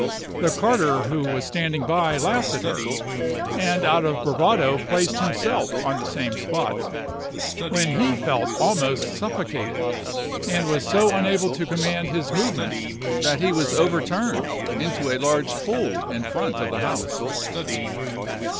The carter who was standing by laughed at her, and out of bravado placed himself on the same spot, when he felt almost suffocated, and was so unable to command his movements that he was overturned into a large pool in front of the house.